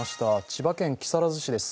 千葉県木更津市です。